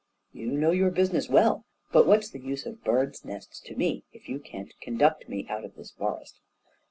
"You know your business well, but what's the use of birds' nests to me, if you can't conduct me out of this forest?"